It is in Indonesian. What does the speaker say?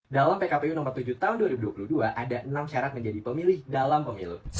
dalam pkpu nomor tujuh tahun dua ribu dua puluh dua ada enam syarat menjadi pemilih dalam pemilu